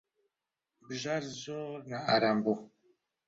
بژار زۆر نائارام بوو.